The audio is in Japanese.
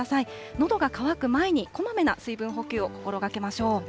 のどが渇く前にこまめな水分補給を心がけましょう。